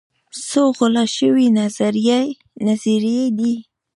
څو غلا شوي نظريې دي